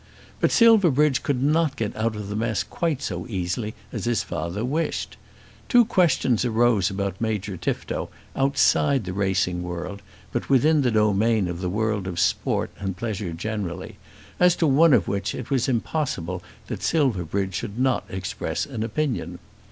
But Silverbridge could not get out of the mess quite so easily as his father wished. Two questions arose about Major Tifto, outside the racing world, but within the domain of the world of sport and pleasure generally, as to one of which it was impossible that Silverbridge should not express an opinion.